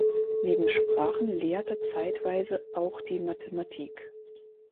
Neben Sprachen lehrte zeitweise auch die Mathematik.